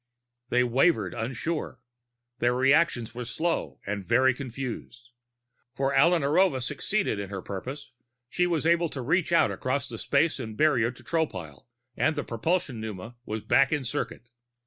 They wavered, unsure. Their reactions were slow and very confused. For Alla Narova succeeded in her purpose. She was able to reach out across the space and barrier to Tropile and the propulsion pneuma was back in circuit.